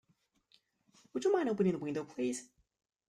Would you mind opening the window, please?